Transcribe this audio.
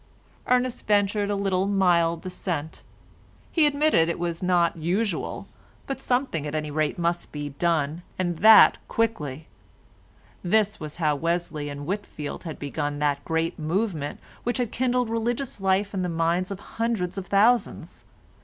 Ernest ventured a little mild dissent; he admitted it was not usual, but something at any rate must be done, and that quickly. This was how Wesley and Whitfield had begun that great movement which had kindled religious life in the minds of hundreds of thousands.